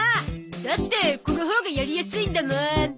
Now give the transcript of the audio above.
だってこのほうがやりやすいんだもん。